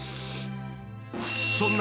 ［そんな］